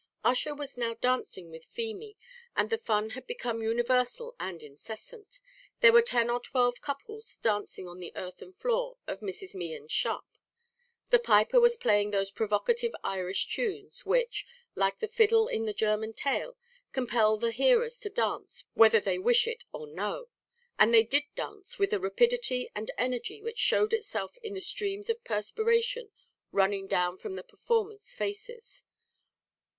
Ussher was now dancing with Feemy, and the fun had become universal and incessant; there were ten or twelve couple dancing on the earthen floor of Mrs. Mehan's shop. The piper was playing those provocative Irish tunes, which, like the fiddle in the German tale, compel the hearers to dance whether they wish it or no; and they did dance with a rapidity and energy which showed itself in the streams of perspiration running down from the performers' faces.